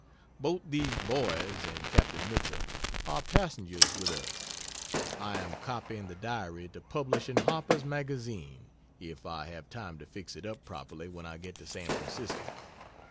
Both these boys, and Captain Mitchell, are passengers with us. I am copying the diary to publish in Harper's Magazine, if I have time to fix it up properly when I get to San Francisco.